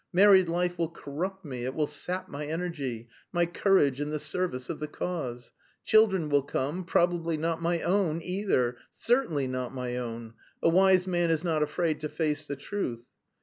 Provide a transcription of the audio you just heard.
Married life will corrupt me, it will sap my energy, my courage in the service of the cause. Children will come, probably not my own either certainly not my own: a wise man is not afraid to face the truth.